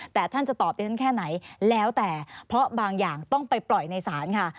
แต่ท่านจะตอบดิฉันแค่ไหนแล้วแต่เพราะบางอย่างต้องไปปล่อยในศาลค่ะ